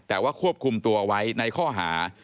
แต่ว่าควบคุมตัวไว้ในข้อหา